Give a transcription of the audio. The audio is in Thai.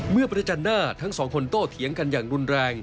ประจันหน้าทั้งสองคนโตเถียงกันอย่างรุนแรง